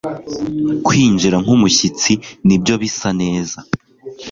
Kwinjira nkumushyitsi ni byo bisa neza